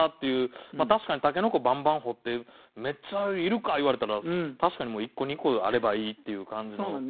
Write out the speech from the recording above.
確かに筍ばんばん掘ってめっちゃいるか言われたら確かに１個２個あればいいっていう感じの。